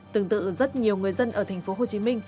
tương tự rất nhiều người dân ở tp hcm